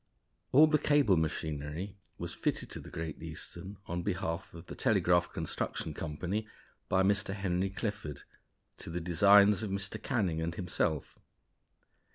All the cable machinery was fitted to the Great Eastern, on behalf of the Telegraph Construction Company, by Mr. Henry Clifford to the designs of Mr. Canning and himself.